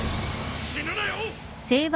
死ぬなよ！